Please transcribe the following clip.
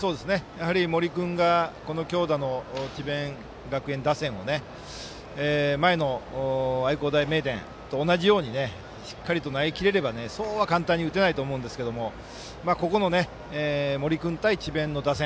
やはり森君が強打の智弁学園打線を前の愛工大名電と同じようにしっかりと投げ切れればそうは簡単に打てないと思うんですけどここの森君対智弁の打線。